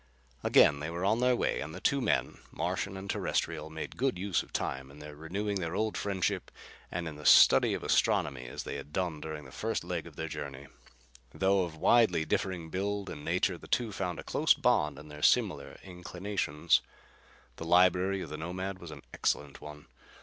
Again they were on their way and the two men, Martian and Terrestrial, made good use of the time in renewing their old friendship and in the study of astronomy as they had done during the first leg of their journey. Though of widely differing build and nature, the two found a close bond in their similar inclinations. The library of the Nomad was an excellent one.